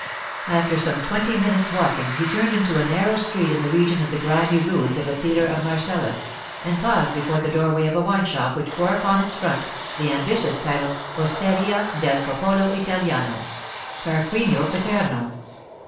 After some twenty minutes' walking he turned into a narrow street in the region of the grimy ruins of the theatre of Marcellus, and paused before the doorway of a wine shop which bore upon its front the ambitious title, 'Osteria del Popolo Italiano—Tarquinio Paterno.